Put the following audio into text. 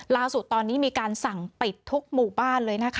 ล่าสุดตอนนี้มีการสั่งปิดทุกหมู่บ้านเลยนะคะ